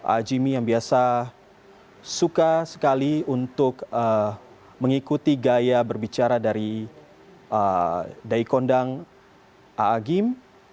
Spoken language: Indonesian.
a a jimmy yang biasa suka sekali untuk mengikuti gaya berbicara dari daikondang a a jim